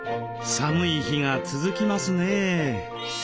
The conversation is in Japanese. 寒い日が続きますね。